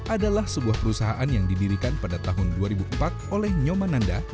adalah sebuah perusahaan yang didirikan pada tahun dua ribu empat oleh nyomananda